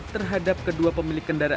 terhadap kedua pemilik kendaraan